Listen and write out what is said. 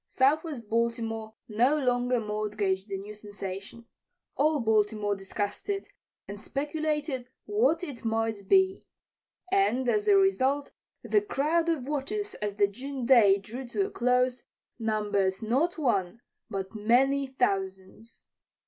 Southwest Baltimore no longer mortgaged the new sensation. All Baltimore discussed it and speculated what it might be. And, as a result, the crowd of watchers as the June day drew to a close numbered not one, but many, thousands.